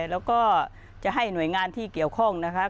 แล้วก็จะให้หน่วยงานที่เกี่ยวข้องนะครับ